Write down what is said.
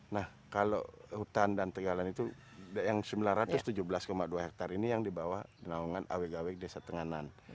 nah kalau hutan dan pegalan itu yang sembilan ratus tujuh belas dua hektar ini yang dibawa lawangan awik awik desa tenganan